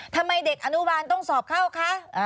ทำไมเด็กอนุบาลต้องสอบเข้าคะ